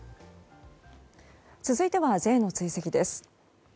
続いては、Ｊの追跡です。